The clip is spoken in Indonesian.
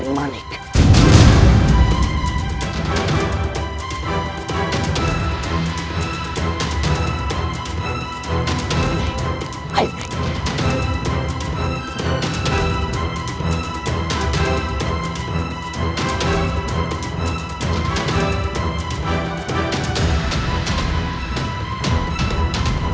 rai dan manik di situ